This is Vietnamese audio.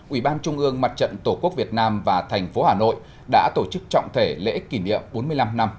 ủy ban trung ương mặt trận tổ quốc việt nam và thành phố hà nội đã tổ chức trọng thể lễ kỷ niệm bốn mươi năm năm